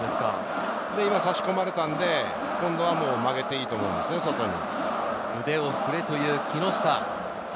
今、差し込まれたので、今度は曲げていいと思うんですね、外に。